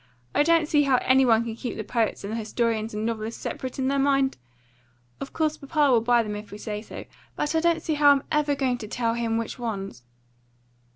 I don't see how any one can keep the poets and the historians and novelists separate in their mind. Of course papa will buy them if we say so. But I don't see how I'm ever going to tell him which ones."